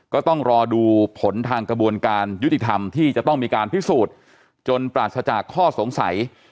ก็ต้องรอดูผลทางกระบวนการยุติธรรมที่จะต้องมีการพิสูจน์จนปราศจากข้อสงสัย